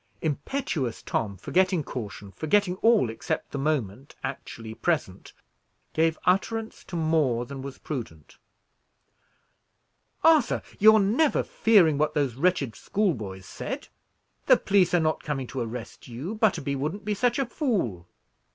Impetuous Tom, forgetting caution, forgetting all except the moment actually present, gave utterance to more than was prudent. "Arthur, you are never fearing what those wretched schoolboys said? The police are not come to arrest you. Butterby wouldn't be such a fool!"